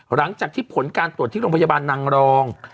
หลังจากที่ผลการตรวจที่โรงพยาบาลนางรอง